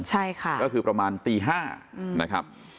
แล้วคือประมาณตี๕นะครับ